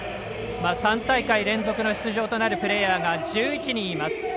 ３大会連続の出場となるプレーヤーが１１人います。